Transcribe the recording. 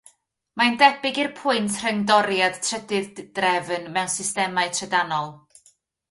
Mae'n debyg i'r pwynt rhyngdoriad trydydd-drefn mewn systemau trydanol.